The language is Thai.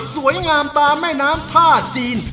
สวยงามตามแม่น้ำท่าจีน